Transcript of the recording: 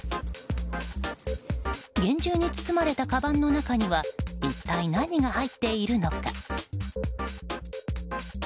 厳重に包まれたかばんの中には一体何が入っているのか。